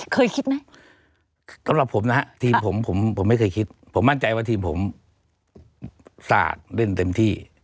เคยคิดไหมสำหรับผมนะฮะทีมผมผมไม่เคยคิดผมมั่นใจว่าทีมผมสาดเล่นเต็มที่